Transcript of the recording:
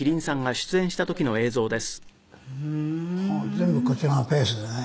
「全部こちらのペースでね」